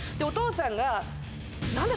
お父さんが。